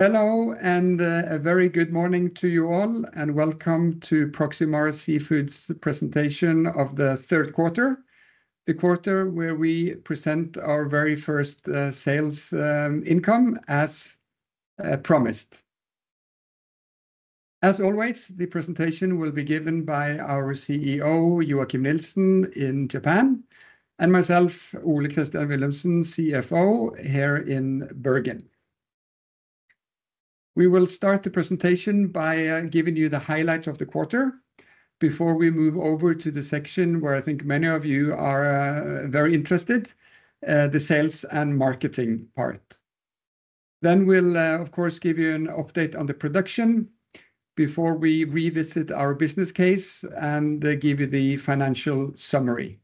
Hello and a very good morning to you all, and welcome to Proximar Seafood's Presentation of the Third Quarter, the quarter where we present our very first sales income as promised. As always, the presentation will be given by our CEO, Joachim Nielsen, in Japan, and myself, Ole Christian Willumsen, CFO, here in Bergen. We will start the presentation by giving you the highlights of the quarter before we move over to the section where I think many of you are very interested: the sales and marketing part. Then we'll, of course, give you an update on the production before we revisit our business case and give you the financial summary.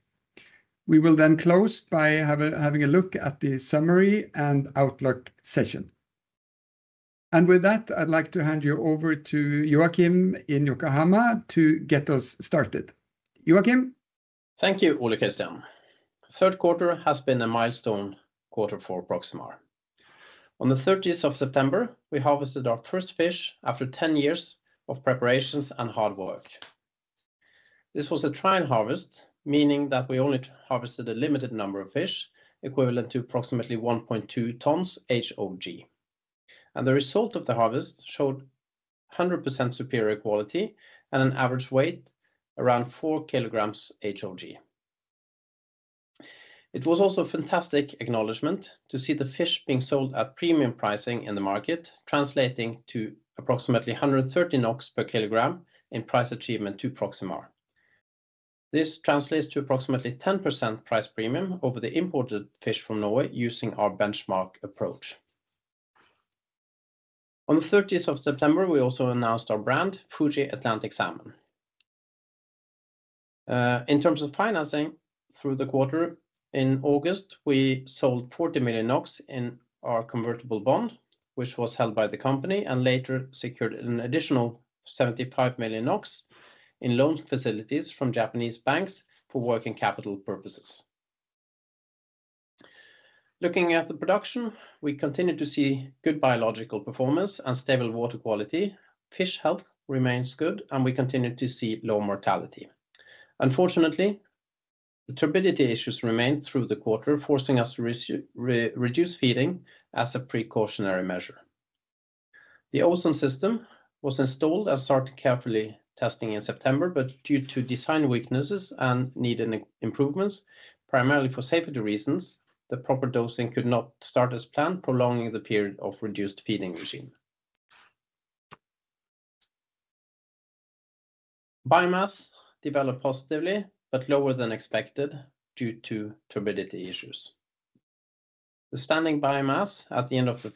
We will then close by having a look at the summary and outlook session. And with that, I'd like to hand you over to Joachim in Yokohama to get us started. Joachim. Thank you, Ole Christian. The third quarter has been a milestone quarter for Proximar. On the 30th of September, we harvested our first fish after 10 years of preparations and hard work. This was a trial harvest, meaning that we only harvested a limited number of fish, equivalent to approximately 1.2 tons HOG, and the result of the harvest showed 100%, superior quality and an average weight around 4 kg HOG. It was also a fantastic acknowledgment to see the fish being sold at premium pricing in the market, translating to approximately 130 NOK per kilogram in price achievement to Proximar. This translates to approximately 10%, price premium over the imported fish from Norway using our benchmark approach. On the 30th of September, we also announced our brand, Fuji Atlantic Salmon. In terms of financing through the quarter, in August, we sold 40 million NOK in our convertible bond, which was held by the company, and later secured an additional 75 million NOK in loan facilities from Japanese banks for working capital purposes. Looking at the production, we continue to see good biological performance and stable water quality. Fish health remains good, and we continue to see low mortality. Unfortunately, the turbidity issues remained through the quarter, forcing us to reduce feeding as a precautionary measure. The ozone system was installed and started carefully testing in September, but due to design weaknesses and needing improvements, primarily for safety reasons, the proper dosing could not start as planned, prolonging the period of reduced feeding regime. Biomass developed positively but lower than expected due to turbidity issues. The standing biomass at the end of the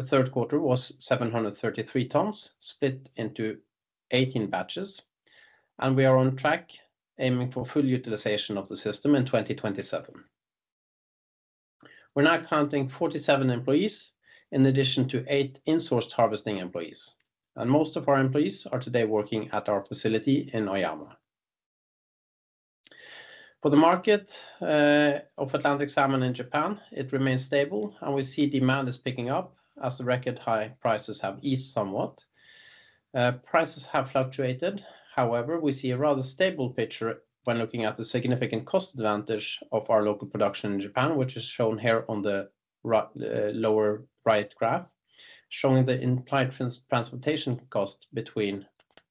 third quarter was 733 tons, split into 18 batches, and we are on track aiming for full utilization of the system in 2027. We're now counting 47 employees in addition to eight in-house harvesting employees, and most of our employees are today working at our facility in Oyama. For the market of Atlantic Salmon in Japan, it remains stable, and we see demand is picking up as the record high prices have eased somewhat. Prices have fluctuated, however, we see a rather stable picture when looking at the significant cost advantage of our local production in Japan, which is shown here on the lower right graph, showing the implied transportation cost between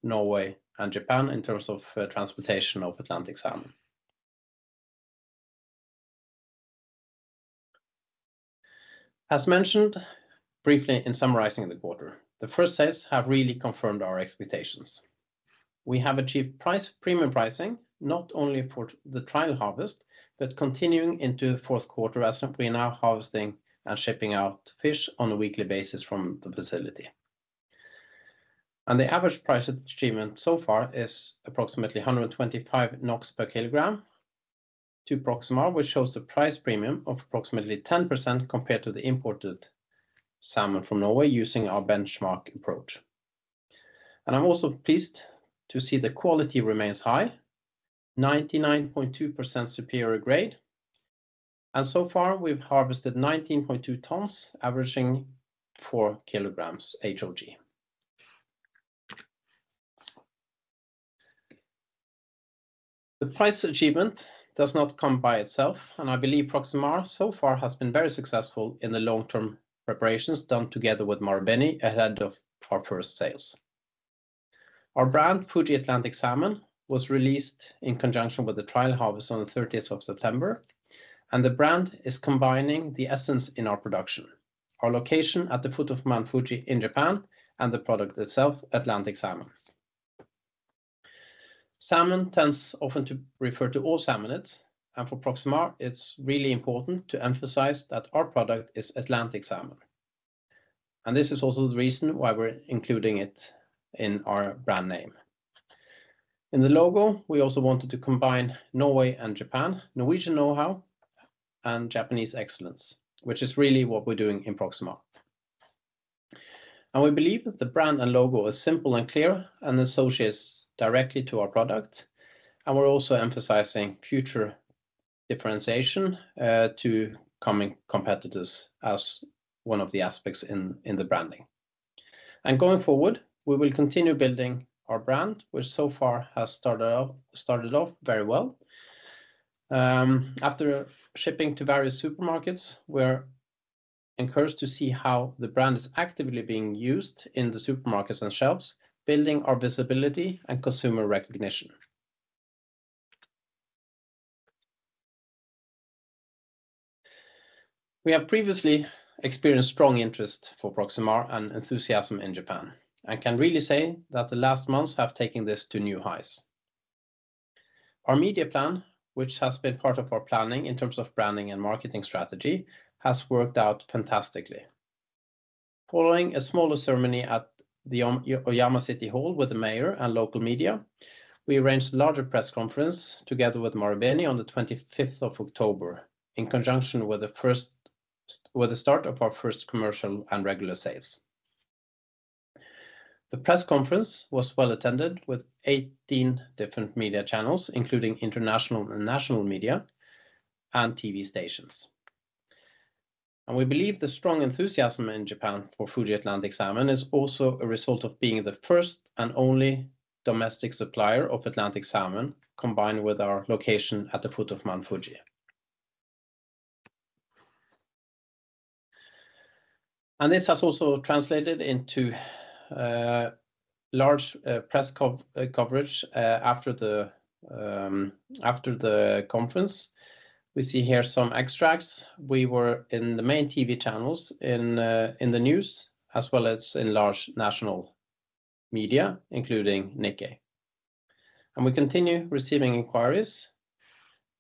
Norway and Japan in terms of transportation of Atlantic Salmon. As mentioned briefly in summarizing the quarter, the first sales have really confirmed our expectations. We have achieved premium pricing not only for the trial harvest, but continuing into the fourth quarter as we are now harvesting and shipping out fish on a weekly basis from the facility. And the average price achievement so far is approximately 125 NOK per kilogram to Proximar, which shows the price premium of approximately 10%, compared to the imported salmon from Norway using our benchmark approach. And I'm also pleased to see the quality remains high, 99.2% superior grade. And so far, we've harvested 19.2 tons, averaging four kg HOG. The price achievement does not come by itself, and I believe Proximar so far has been very successful in the long-term preparations done together with Marubeni ahead of our first sales. Our brand, Fuji Atlantic Salmon, was released in conjunction with the trial harvest on the 30th of September, and the brand is combining the essence in our production, our location at the foot of Mount Fuji in Japan, and the product itself, Atlantic Salmon. Salmon tends often to refer to all salmonids, and for Proximar, it's really important to emphasize that our product is Atlantic Salmon. And this is also the reason why we're including it in our brand name. In the logo, we also wanted to combine Norway and Japan, Norwegian know-how, and Japanese excellence, which is really what we're doing in Proximar. And we believe that the brand and logo are simple and clear and associate directly to our product. And we're also emphasizing future differentiation to coming competitors as one of the aspects in the branding. Going forward, we will continue building our brand, which so far has started off very well. After shipping to various supermarkets, we're encouraged to see how the brand is actively being used in the supermarkets and shelves, building our visibility and consumer recognition. We have previously experienced strong interest for Proximar and enthusiasm in Japan, and can really say that the last months have taken this to new heights. Our media plan, which has been part of our planning in terms of branding and marketing strategy, has worked out fantastically. Following a smaller ceremony at the Oyama City Hall with the mayor and local media, we arranged a larger press conference together with Marubeni on the 25th of October in conjunction with the start of our first commercial and regular sales. The press conference was well attended with 18 different media channels, including international and national media and TV stations. And we believe the strong enthusiasm in Japan for Fuji Atlantic Salmon is also a result of being the first and only domestic supplier of Atlantic Salmon, combined with our location at the foot of Mount Fuji. And this has also translated into large press coverage after the conference. We see here some extracts. We were in the main TV channels in the news as well as in large national media, including Nikkei. And we continue receiving inquiries.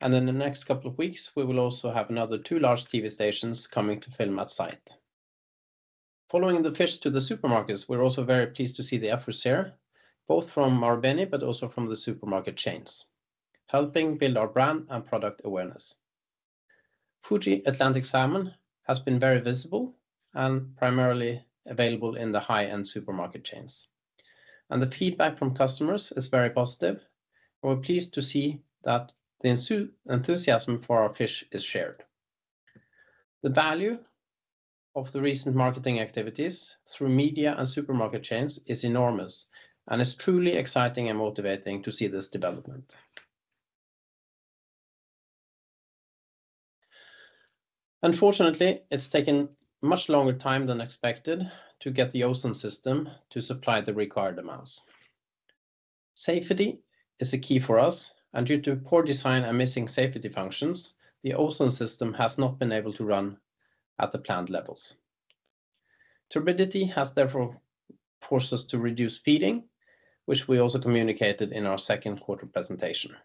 And in the next couple of weeks, we will also have another two large TV stations coming to film at site. Following the fish to the supermarkets, we're also very pleased to see the efforts here, both from Marubeni but also from the supermarket chains, helping build our brand and product awareness. Fuji Atlantic Salmon has been very visible and primarily available in the high-end supermarket chains, and the feedback from customers is very positive, and we're pleased to see that the enthusiasm for our fish is shared. The value of the recent marketing activities through media and supermarket chains is enormous, and it's truly exciting and motivating to see this development. Unfortunately, it's taken much longer time than expected to get the ozone system to supply the required amounts. Safety is a key for us, and due to poor design and missing safety functions, the ozone system has not been able to run at the planned levels. Turbidity has therefore forced us to reduce feeding, which we also communicated in our second quarter presentation.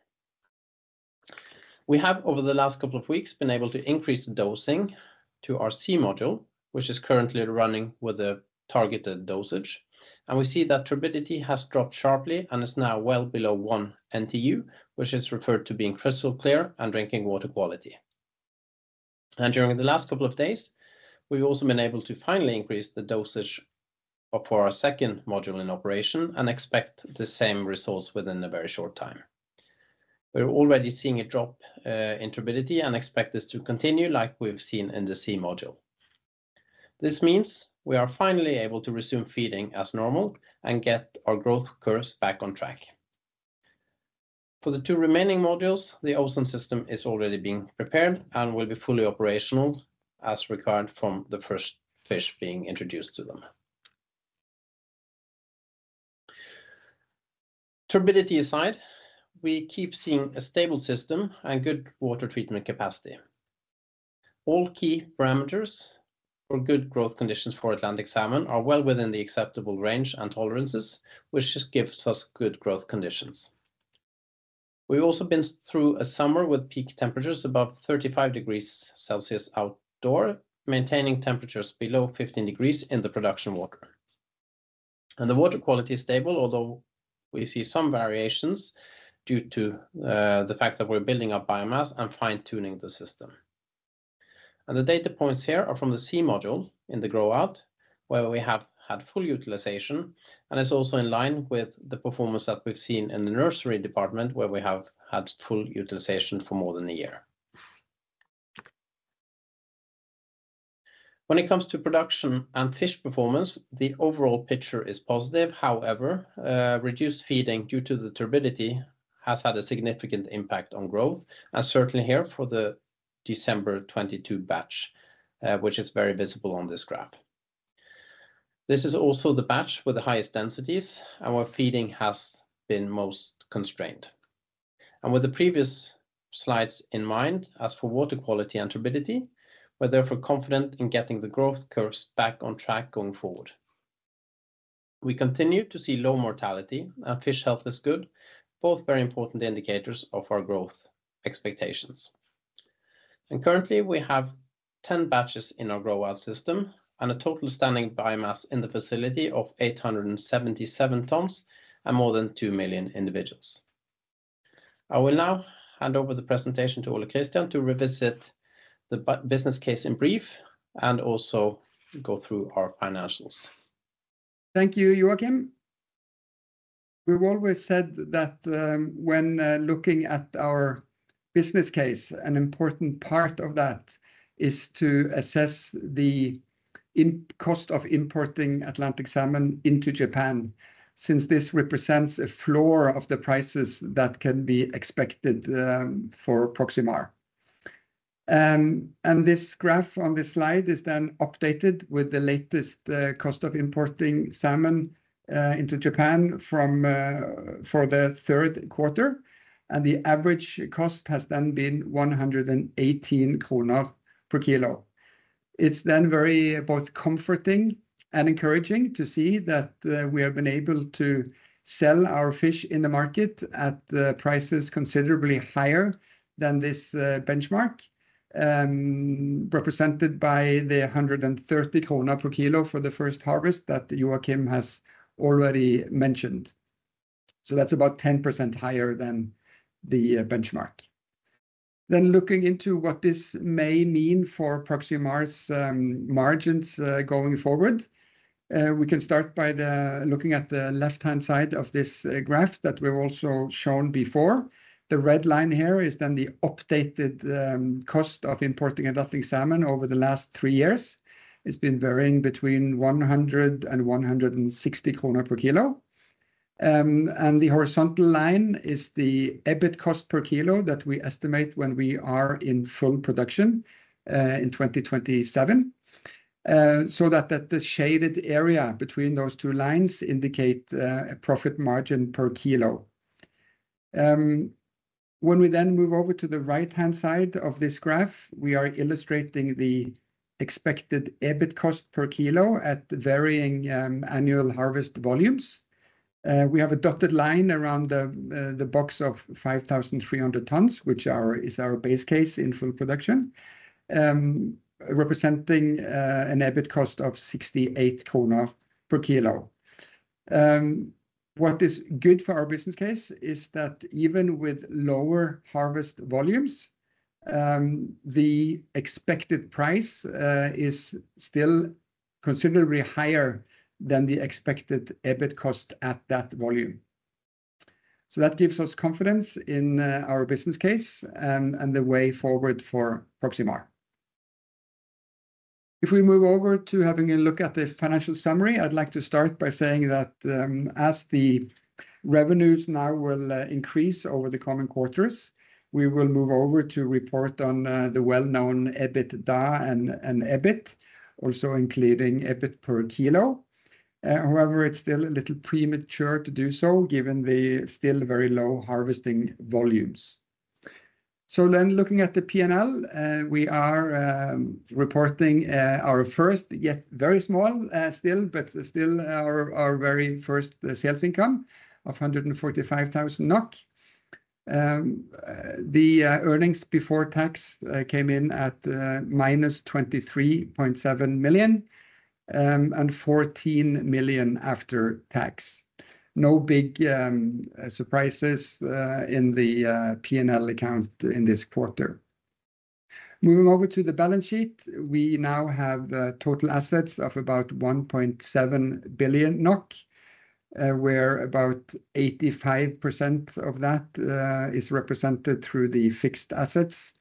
We have, over the last couple of weeks, been able to increase the dosing to our C module, which is currently running with a targeted dosage. We see that turbidity has dropped sharply and is now well below 1 NTU, which is referred to being crystal clear and drinking water quality. During the last couple of days, we've also been able to finally increase the dosage for our second module in operation and expect the same results within a very short time. We're already seeing a drop in turbidity and expect this to continue like we've seen in the C module. This means we are finally able to resume feeding as normal and get our growth curves back on track. For the two remaining modules, the ozone system is already being prepared and will be fully operational as required from the first fish being introduced to them. Turbidity aside, we keep seeing a stable system and good water treatment capacity. All key parameters for good growth conditions for Atlantic Salmon are well within the acceptable range and tolerances, which gives us good growth conditions. We've also been through a summer with peak temperatures above 35 degrees Celsius outdoor, maintaining temperatures below 15 degrees in the production water. The water quality is stable, although we see some variations due to the fact that we're building up biomass and fine-tuning the system. The data points here are from the C module in the grow-out, where we have had full utilization, and it's also in line with the performance that we've seen in the nursery department, where we have had full utilization for more than a year. When it comes to production and fish performance, the overall picture is positive. However, reduced feeding due to the turbidity has had a significant impact on growth, and certainly here for the December 2022 batch, which is very visible on this graph. This is also the batch with the highest densities, and where feeding has been most constrained, and with the previous slides in mind, as for water quality and turbidity, we're therefore confident in getting the growth curves back on track going forward. We continue to see low mortality, and fish health is good, both very important indicators of our growth expectations, and currently, we have 10 batches in our grow-out system and a total standing biomass in the facility of 877 tons and more than two million individuals. I will now hand over the presentation to Ole Christian to revisit the business case in brief and also go through our financials. Thank you, Joachim. We've always said that when looking at our business case, an important part of that is to assess the cost of importing Atlantic Salmon into Japan, since this represents a floor of the prices that can be expected for Proximar. This graph on this slide is then updated with the latest cost of importing salmon into Japan for the third quarter, and the average cost has then been 118 kroner per kilo. It's then very both comforting and encouraging to see that we have been able to sell our fish in the market at prices considerably higher than this benchmark, represented by the 130 krone per kilo for the first harvest that Joachim has already mentioned. That's about 10% higher than the benchmark. Then looking into what this may mean for Proximar's margins going forward, we can start by looking at the left-hand side of this graph that we've also shown before. The red line here is then the updated cost of importing Atlantic Salmon over the last three years. It's been varying between 100-160 kroner per kilo. And the horizontal line is the EBIT cost per kilo that we estimate when we are in full production in 2027. So that the shaded area between those two lines indicates a profit margin per kilo. When we then move over to the right-hand side of this graph, we are illustrating the expected EBIT cost per kilo at varying annual harvest volumes. We have a dotted line around the box of 5,300 tons, which is our base case in full production, representing an EBIT cost of 68 kroner per kilo. What is good for our business case is that even with lower harvest volumes, the expected price is still considerably higher than the expected EBIT cost at that volume. So that gives us confidence in our business case and the way forward for Proximar. If we move over to having a look at the financial summary, I'd like to start by saying that as the revenues now will increase over the coming quarters, we will move over to report on the well-known EBITDA and EBIT, also including EBIT per kilo. However, it's still a little premature to do so given the still very low harvesting volumes. So then looking at the P&L, we are reporting our first, yet very small still, but still our very first sales income of 145,000 NOK. The earnings before tax came in at minus 23.7 million NOK and 14 million NOK after tax. No big surprises in the P&L account in this quarter. Moving over to the balance sheet, we now have total assets of about 1.7 billion NOK, where about 85%, of that is represented through the fixed assets.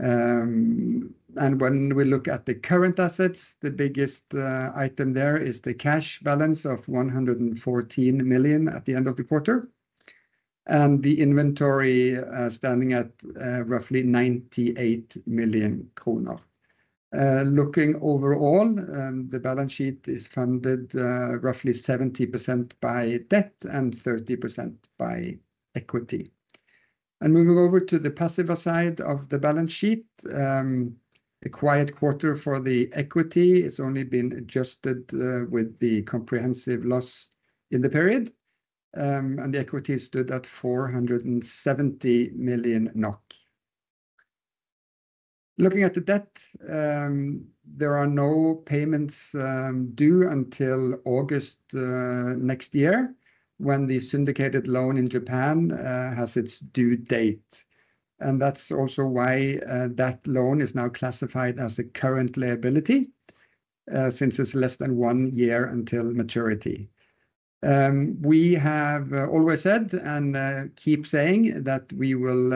When we look at the current assets, the biggest item there is the cash balance of 114 million NOK at the end of the quarter, and the inventory standing at roughly 98 million kroner. Looking overall, the balance sheet is funded roughly 70% by debt and 30% by equity. Moving over to the passive side of the balance sheet, a quiet quarter for the equity has only been adjusted with the comprehensive loss in the period, and the equity stood at 470 million NOK. Looking at the debt, there are no payments due until August next year when the syndicated loan in Japan has its due date. That's also why that loan is now classified as a current liability since it's less than one year until maturity. We have always said and keep saying that we will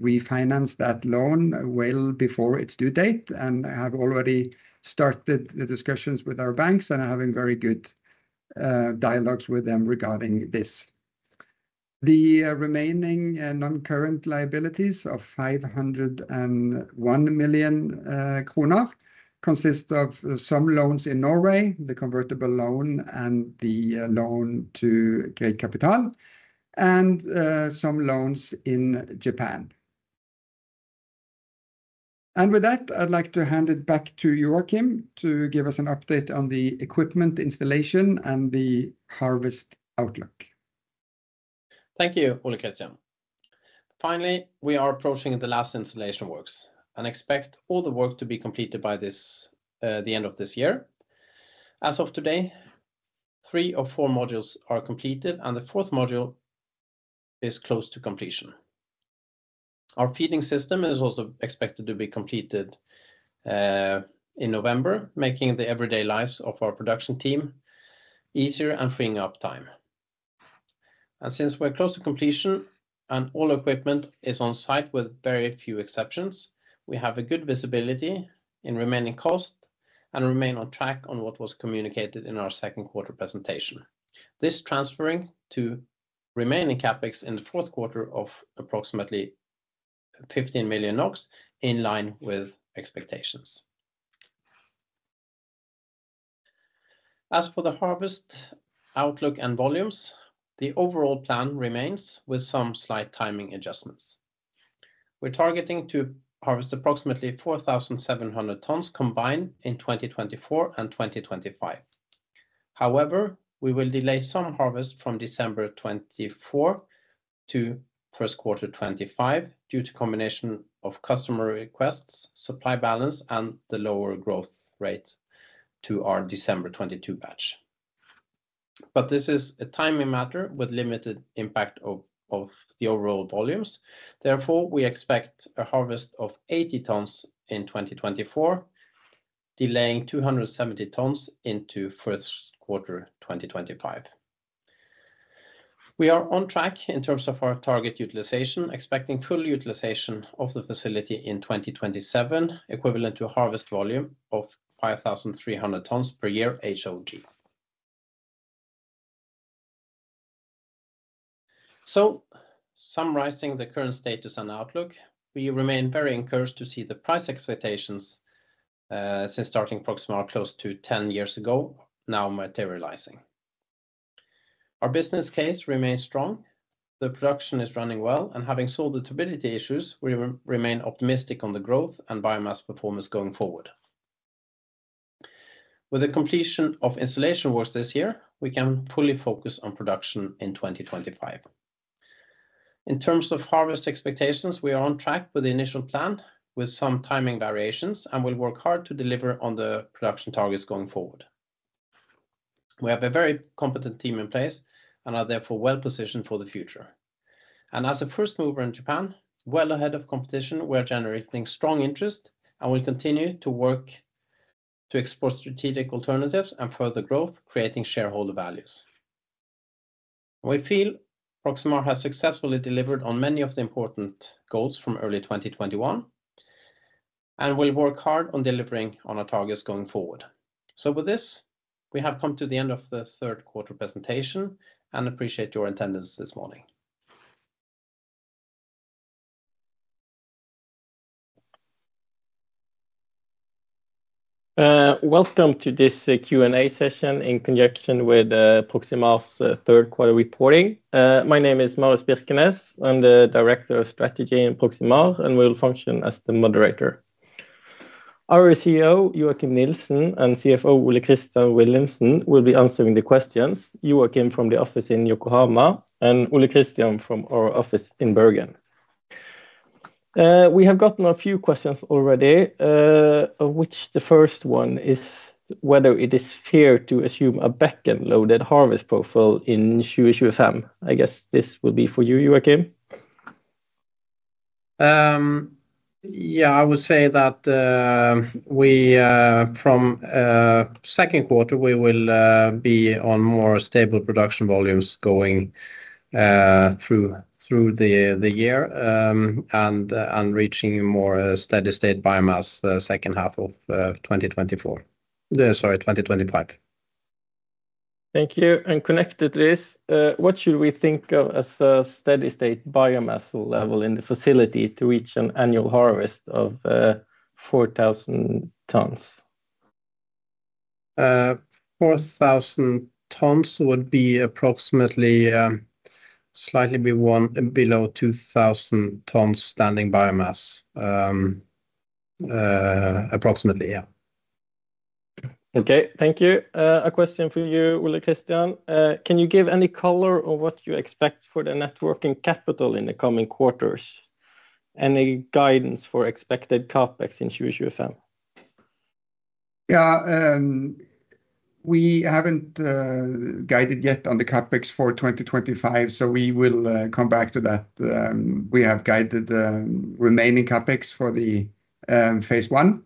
refinance that loan well before its due date and have already started the discussions with our banks and are having very good dialogues with them regarding this. The remaining non-current liabilities of 501 million kroner consist of some loans in Norway, the convertible loan and the loan to Grieg Kapital, and some loans in Japan. With that, I'd like to hand it back to Joachim to give us an update on the equipment installation and the harvest outlook. Thank you, Ole Christian. Finally, we are approaching the last installation works and expect all the work to be completed by the end of this year. As of today, three or four modules are completed, and the fourth module is close to completion. Our feeding system is also expected to be completed in November, making the everyday lives of our production team easier and freeing up time, and since we're close to completion and all equipment is on site with very few exceptions, we have a good visibility in remaining cost and remain on track on what was communicated in our second quarter presentation. This transferring to remaining CapEx in the fourth quarter of approximately 15 million NOK in line with expectations. As for the harvest outlook and volumes, the overall plan remains with some slight timing adjustments. We're targeting to harvest approximately 4,700 tons combined in 2024 and 2025. However, we will delay some harvest from December 2024 to first quarter 2025 due to a combination of customer requests, supply balance, and the lower growth rate to our December 2022 batch. But this is a timing matter with limited impact of the overall volumes. Therefore, we expect a harvest of 80 tons in 2024, delaying 270 tons into first quarter 2025. We are on track in terms of our target utilization, expecting full utilization of the facility in 2027, equivalent to a harvest volume of 5,300 tons per year HOG. So, summarizing the current status and outlook, we remain very encouraged to see the price expectations since starting Proximar close to 10 years ago now materializing. Our business case remains strong. The production is running well, and having solved the turbidity issues, we remain optimistic on the growth and biomass performance going forward. With the completion of installation works this year, we can fully focus on production in 2025. In terms of harvest expectations, we are on track with the initial plan with some timing variations and will work hard to deliver on the production targets going forward. We have a very competent team in place and are therefore well positioned for the future, and as a first mover in Japan, well ahead of competition, we're generating strong interest and will continue to work to explore strategic alternatives and further growth, creating shareholder values. We feel Proximar has successfully delivered on many of the important goals from early 2021 and will work hard on delivering on our targets going forward, so with this, we have come to the end of the third quarter presentation and appreciate your attendance this morning. Welcome to this Q&A session in conjunction with Proximar's third quarter reporting. My name is Marius Birkines. I'm the Director of Strategy in Proximar and will function as the moderator. Our CEO, Joachim Nielsen, and CFO, Ole Christian Willumsen, will be answering the questions. Joachim from the office in Yokohama and Ole Christian from our office in Bergen. We have gotten a few questions already, of which the first one is whether it is fair to assume a backend-loaded harvest profile in 2025. I guess this will be for you, Joachim. Yeah, I would say that from second quarter, we will be on more stable production volumes going through the year and reaching more steady-state biomass the second half of 2024, sorry, 2025. Thank you. And connected to this, what should we think of as a steady-state biomass level in the facility to reach an annual harvest of 4,000 tons? 4,000 tons would be approximately slightly below 2,000 tons standing biomass, approximately, yeah. Okay, thank you. A question for you, Ole Christian. Can you give any color on what you expect for the net working capital in the coming quarters? Any guidance for expected CapEx in 2025? Yeah, we haven't guided yet on the CapEx for 2025, so we will come back to that. We have guided remaining CapEx for the phase one,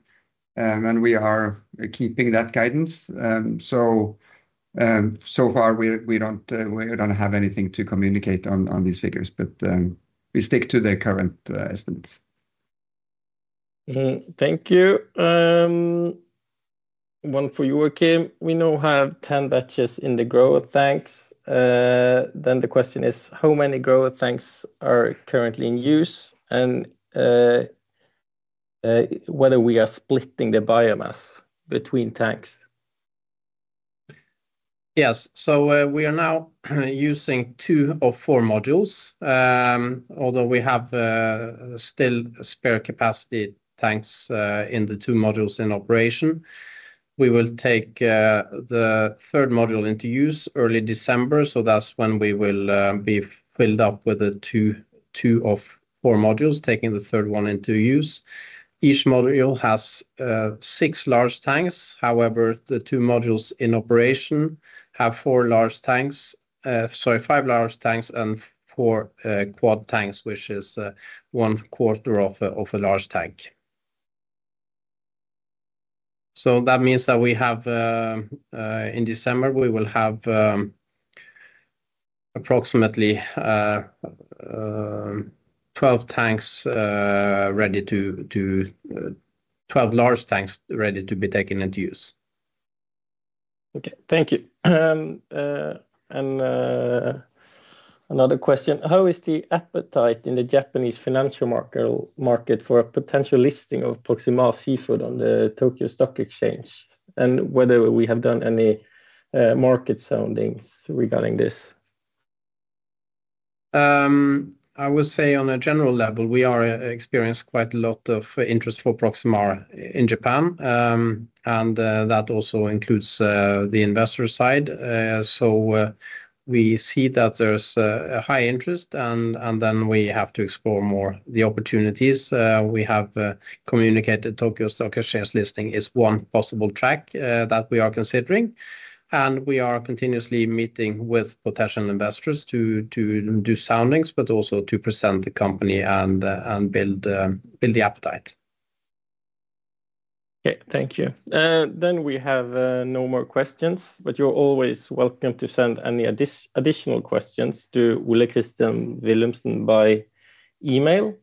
and we are keeping that guidance. So far, we don't have anything to communicate on these figures, but we stick to the current estimates. Thank you. One for Joachim. We now have 10 batches in the grow-out tanks. Then the question is, how many grow-out tanks are currently in use and whether we are splitting the biomass between tanks? Yes, so we are now using two of four modules, although we have still spare capacity tanks in the two modules in operation. We will take the third module into use early December, so that's when we will be filled up with the two of four modules, taking the third one into use. Each module has six large tanks. However, the two modules in operation have four large tanks, sorry, five large tanks and four quad tanks, which is one quarter of a large tank. So that means that we have in December, we will have approximately 12 tanks ready to 12 large tanks ready to be taken into use. Okay, thank you. And another question. How is the appetite in the Japanese financial market for a potential listing of Proximar Seafood on the Tokyo Stock Exchange and whether we have done any market soundings regarding this? I would say on a general level, we are experiencing quite a lot of interest for Proximar in Japan, and that also includes the investor side. So we see that there's a high interest, and then we have to explore more the opportunities. We have communicated Tokyo Stock Exchange listing is one possible track that we are considering, and we are continuously meeting with potential investors to do soundings, but also to present the company and build the appetite. Okay, thank you. Then we have no more questions, but you're always welcome to send any additional questions to Ole Christian Willumsen by email.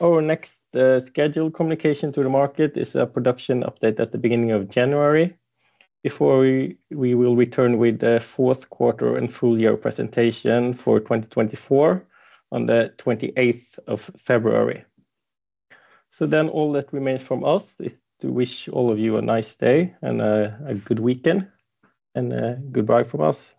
Our next scheduled communication to the market is a production update at the beginning of January. Before we will return with the fourth quarter and full year presentation for 2024 on the 28th of February. So then all that remains from us is to wish all of you a nice day and a good weekend and goodbye from us.